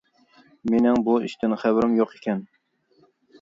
مېنىڭ بۇ ئىشتىن خەۋىرىم يوق ئىكەن.